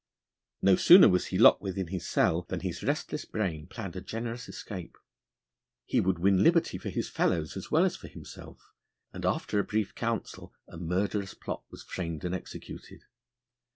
No sooner was he locked within his cell than his restless brain planned a generous escape. He would win liberty for his fellows as well as for himself, and after a brief council a murderous plot was framed and executed.